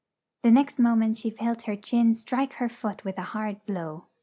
The next mo ment she felt her chin strike her foot with a hard blow.